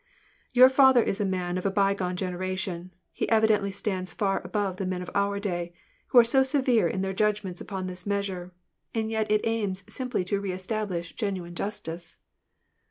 " Your father is a man of a bygone generation : he evidently stands far above the men of our day, who are so severe in their judgments upon this measure, and yet it aims simply to re es tabUsh genuine justice." 170 WAR AND PEACE.